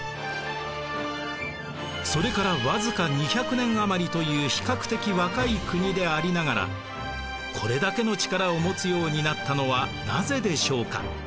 それから僅か２００年余りという比較的若い国でありながらこれだけの力を持つようになったのはなぜでしょうか？